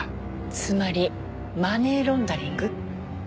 つまりマネーロンダリング？